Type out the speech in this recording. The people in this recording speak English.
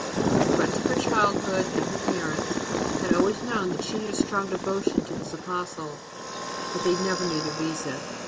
The friends of her childhood, and her parents, had always known that she had a strong devotion to this Apostle, but they never knew the reason.